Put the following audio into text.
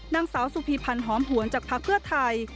นางสาวสุภีพันธ์หอมหวนจากพักเพื่อไทย